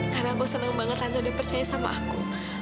karena aku seneng banget tante udah percaya sama aku